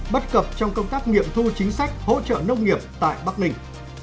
bất cập trong công tác nghiệm thu chính sách hỗ trợ nông nghiệp tại bắc ninh